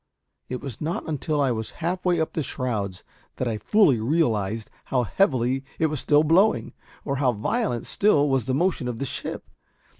It was not until I was halfway up the shrouds that I fully realised how heavily it was still blowing, or how violent still was the motion of the ship.